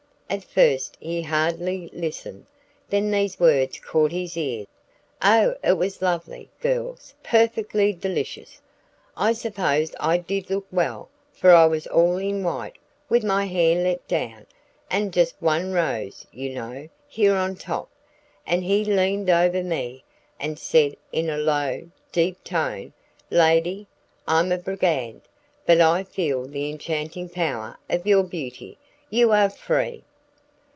At first he hardly listened; then these words caught his ear: "Oh, it was lovely, girls, perfectly delicious! I suppose I did look well, for I was all in white, with my hair let down, and just one rose, you know, here on top. And he leaned over me, and said in a low, deep tone, 'Lady, I am a Brigand, but I feel the enchanting power of your beauty. You are free!'"